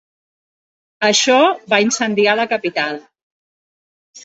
Això va incendiar la capital.